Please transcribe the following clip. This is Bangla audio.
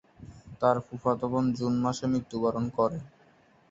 তার ফুফাতো বোন জুন মাসে মৃত্যুবরণ করে।